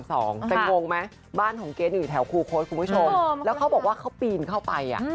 แต่งงไหมบ้านของเกรทอยู่แถวคูโค้ดคุณผู้ชมแล้วเขาบอกว่าเขาปีนเข้าไป